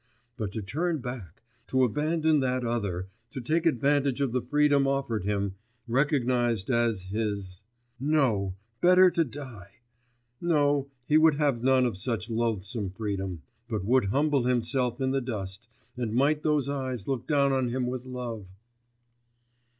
But to turn back, to abandon that other, to take advantage of the freedom offered him, recognised as his.... No! better to die! No, he would have none of such loathsome freedom ... but would humble himself in the dust, and might those eyes look down on him with love....